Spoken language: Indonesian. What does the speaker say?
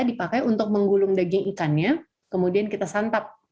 dipakai untuk menggulung daging ikannya kemudian kita santap